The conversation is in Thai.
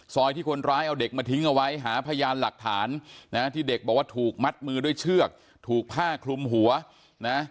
ที่คนร้ายเอาเด็กมาทิ้งเอาไว้หาพยานหลักฐานนะที่เด็กบอกว่าถูกมัดมือด้วยเชือกถูกผ้าคลุมหัวนะ